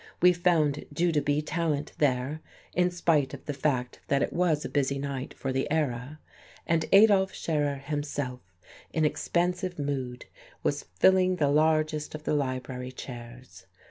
We found Judah B. Tallant there, in spite of the fact that it was a busy night for the Era; and Adolf Scherer himself, in expansive mood, was filling the largest of the library chairs.